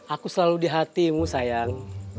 aku selalu di hatimu sayang